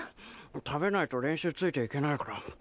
食べないと練習ついていけないから。